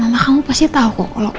mama kamu pasti tau kok